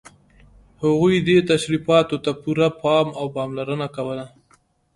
هغوی دې تشریفاتو ته پوره پام او پاملرنه کوله.